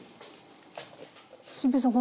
心平さん